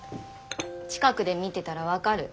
近くで見てたら分かる。